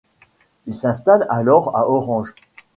Il s'installe alors à Orange.